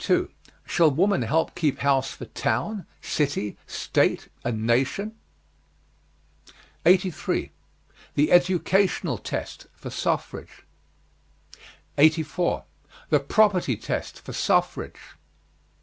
SHALL WOMAN HELP KEEP HOUSE FOR TOWN, CITY, STATE, AND NATION? 83. THE EDUCATIONAL TEST FOR SUFFRAGE. 84. THE PROPERTY TEST FOR SUFFRAGE.